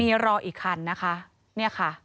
มีรออีกคันนะคะ